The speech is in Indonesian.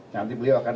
nanti beliau akan